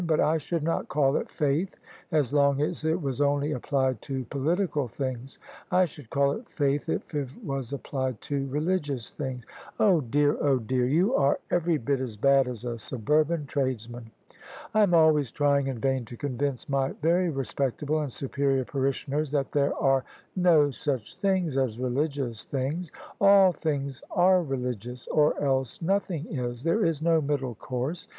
But I should not call it faith as long as it was only applied to political things: I should call it faith if it was applied to religious things." "Oh, dear, oh, dear! You are every bit as bad as a suburban tradesman. I am always trying in vain to convince my very respectable and superior parishioners that there are no such things as religious things. All things are religious, or else nothing is : there is no middle course.